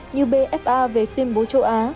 như bfa về phim bố châu á